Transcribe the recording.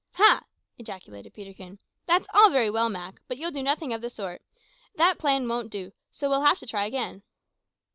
"Ha!" ejaculated Peterkin, "that's all very well, Mak, but you'll do nothing of the sort. That plan won't do, so we'll have to try again."